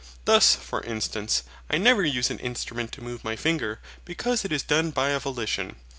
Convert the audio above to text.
Thus, for instance, I never use an instrument to move my finger, because it is done by a volition.